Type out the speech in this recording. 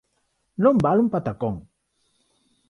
Non vale un patacón!